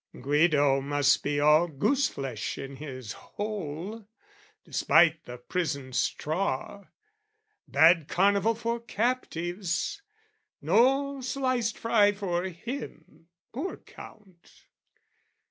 Guido must be all goose flesh in his hole, Despite the prison straw: bad Carnival For captives! no sliced fry for him, poor Count!